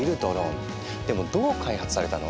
でもどう開発されたの？